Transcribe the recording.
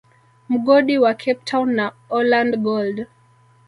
Mgodi wa Cape town na Orland Gold